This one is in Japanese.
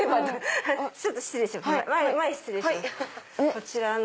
こちらの。